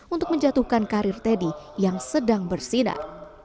untuk menjatuhkan karir teddy yang sedang bersinar